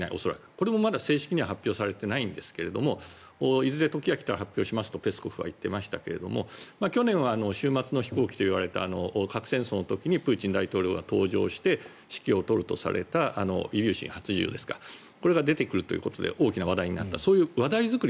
これも正式には発表されていないんですがいずれ時が来たら発表しますとペスコフは言っていましたが去年は終末の飛行機といわれた核戦争の時にプーチン大統領が搭乗して指揮を執るとされたイリューシン８０ですかこれが出てくるということで大きな話題になった。